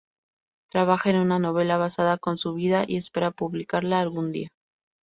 Trabaja en una novela basada con su vida y espera publicarla algún día.